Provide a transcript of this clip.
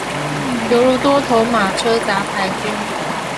猶如多頭馬車雜牌軍